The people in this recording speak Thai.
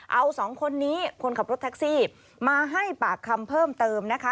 เอาสองคนนี้คนขับรถแท็กซี่มาให้ปากคำเพิ่มเติมนะคะ